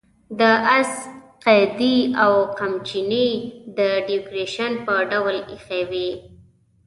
د آس قیضې او قمچینې د ډیکوریشن په ډول اېښې وې.